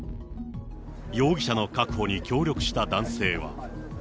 容疑者の確保に協力した男性は。